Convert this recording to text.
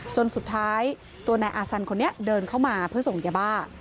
จนสุดท้ายตัวนายอาซันคนนี้เดินเข้ามาเพื่อส่งยาบ้า